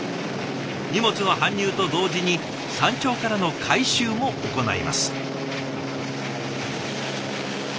荷物の搬入と同時に山頂からの回収も行います。